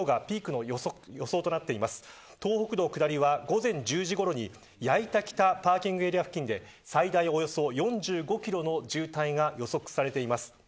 東北道下りは、午前１０時ごろに矢板北パーキングエリア付近で最大およそ４５キロの渋滞が予測されています。